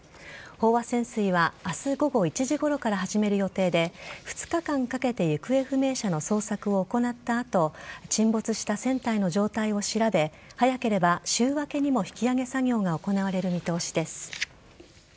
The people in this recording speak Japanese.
飽和潜水は明日午後１時ごろから始める予定で２日間かけて行方不明者の捜索を行った後沈没した船体の状態を調べ早ければ週明けにも引き揚げ作業が行われる見通しです。